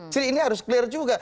jadi ini harus clear juga